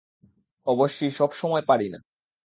অবশ্যি সব সময় পারি না।